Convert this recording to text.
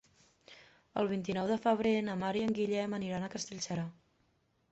El vint-i-nou de febrer na Mar i en Guillem aniran a Castellserà.